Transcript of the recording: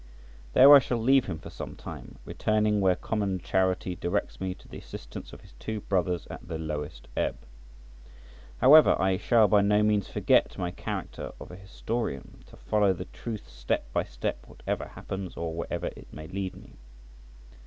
There I shall leave him for some time, returning, where common charity directs me, to the assistance of his two brothers at their lowest ebb. However, I shall by no means forget my character of a historian, to follow the truth step by step whatever happens, or wherever it may lead me.